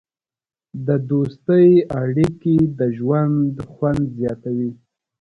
د دوستۍ اړیکې د ژوند خوند زیاتوي.